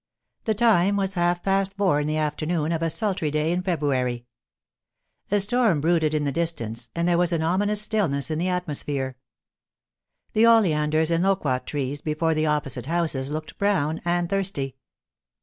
The time was half past four in the afternoon of a sultry day in February. A storm brooded in the distance, and there was an ominous stillness in the atmosphere. The oleanders and loquat trees before the opposite houses looked brown and thirsty.